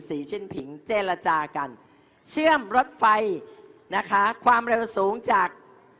ชิ้นผิงเจรจากันเชื่อมรถไฟนะคะความเร็วสูงจาก